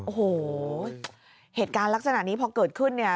โอ้โหเหตุการณ์ลักษณะนี้พอเกิดขึ้นเนี่ย